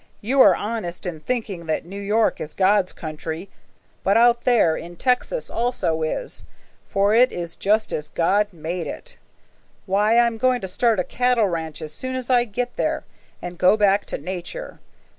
You are honest in thinking that New York is God's country. But out there in Texas also is, for it is just as God made it. Why, I'm going to start a cattle ranch as soon as I get there and go back to nature.